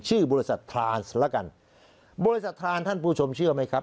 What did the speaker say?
ชื่อบริษัททานแล้วกันบริษัททานท่านผู้ชมเชื่อไหมครับ